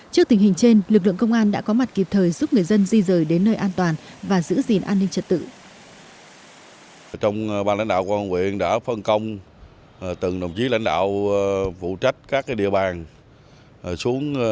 trước tình hình trên lực lượng công an đã có mặt kịp thời giúp người dân di rời đến nơi an toàn và giữ gìn an ninh trật tự